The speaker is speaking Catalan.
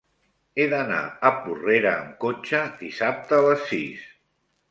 He d'anar a Porrera amb cotxe dissabte a les sis.